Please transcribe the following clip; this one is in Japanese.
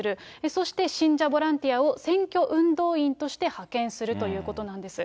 そして、信者ボランティアを選挙運動員として派遣するということなんです。